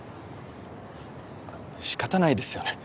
あ仕方ないですよね